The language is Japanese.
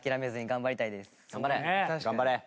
頑張れ。